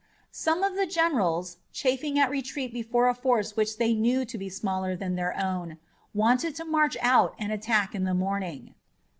Some of the generals, chafing at retreat before a force which they knew to be smaller than their own, wanted to march out and attack in the morning.